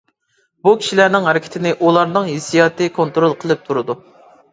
بۇ كىشىلەرنىڭ ھەرىكىتىنى ئۇلارنىڭ ھېسسىياتى كونترول قىلىپ تۇرىدۇ.